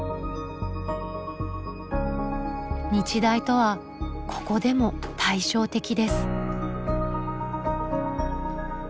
日大とはここでも対照的です。